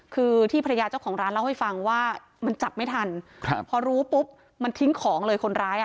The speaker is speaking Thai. คือที่ภรรยาเจ้าของร้านเล่าให้ฟังว่ามันจับไม่ทันครับพอรู้ปุ๊บมันทิ้งของเลยคนร้ายอ่ะ